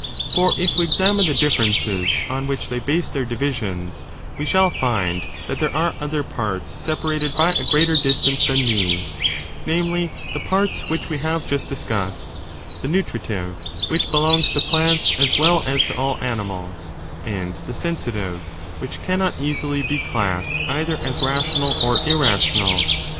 For, if we examine the differences on which they base their divisions, we shall find that there are other parts separated by a greater distance than these; namely, the parts which we have just discussed, the nutritive, which belongs to plants as well as to all animals, and the sensitive, which cannot easily be classed either as rational or irrational.